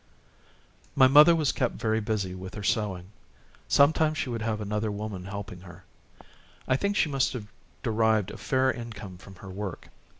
My mother was kept very busy with her sewing; sometimes she would have another woman helping her. I think she must have derived a fair income from her work.